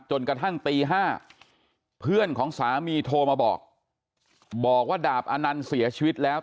จนกระทั่งตี๕เพื่อนของสามีโทรมาบอกบอกว่าดาบอนันต์เสียชีวิตแล้ว